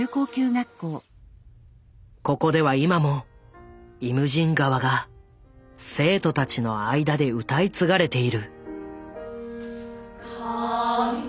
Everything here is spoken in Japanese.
ここでは今も「イムジン河」が生徒たちの間で歌い継がれている。